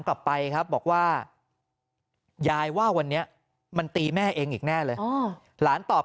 กลับไปครับบอกว่ายายว่าวันนี้มันตีแม่เองอีกแน่เลยหลานตอบ